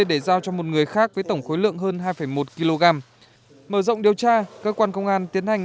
để giao cho một người khác với tổng khối lượng hơn hai một kg mở rộng điều tra cơ quan công an tiến hành